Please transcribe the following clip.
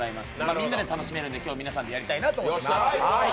みんなで楽しめるんで今日皆さんでやりたいと思います。